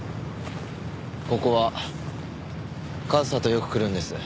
ここは和沙とよく来るんです。